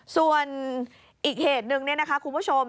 ส่วนอีกเหตุหนึ่งคุณผู้ชม